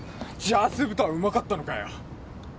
じゃあ酢豚はうまかったのかよ！？